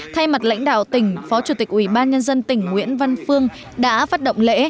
thay mặt lãnh đạo tỉnh phó chủ tịch ủy ban nhân dân tỉnh nguyễn văn phương đã phát động lễ